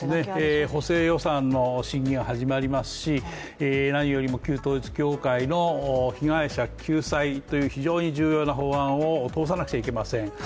補正予算の審議が始まりますし何よりも、旧統一教会の被害者救済という非常に重要な法案を通さなくちゃいけません。